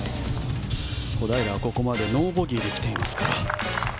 小平はここまでノーボギーで来ています。